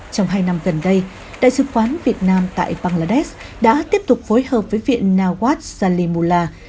trong hai năm gần đây đại sứ quán việt nam tại bangladesh đã tiếp tục phối hợp với viện nawat salimola